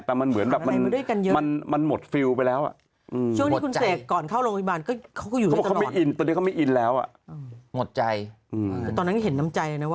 แต่มันเหมือนแบบมันมันหมดฟิลล์ไปแล้ว